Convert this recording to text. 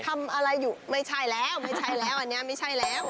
ทำอะไรอยู่ไม่ใช่แล้วอันนี้ไม่ใช่แล้ว